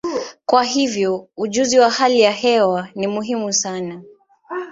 Kwa hiyo, ujuzi wa hali ya hewa ni muhimu sana.